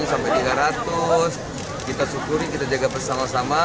rp tiga puluh sampai rp tiga ratus kita syukuri kita jaga bersama sama